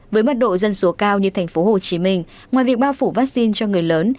với mật độ dân số cao như tp hcm ngoài việc bao phủ vaccine cho người lớn